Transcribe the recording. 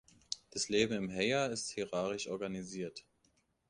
Das Leben im Heya ist hierarchisch organisiert.